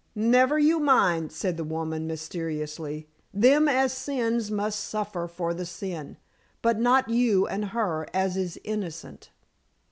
"Never you mind," said the woman mysteriously. "Them as sins must suffer for the sin. But not you and her as is innocent."